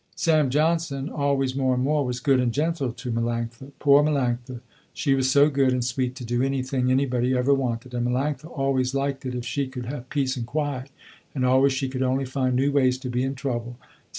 Sam Johnson always, more and more, was good and gentle to Melanctha. Poor Melanctha, she was so good and sweet to do anything anybody ever wanted, and Melanctha always liked it if she could have peace and quiet, and always she could only find new ways to be in trouble.